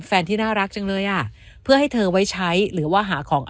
ที่น่ารักจังเลยอ่ะเพื่อให้เธอไว้ใช้หรือว่าหาของ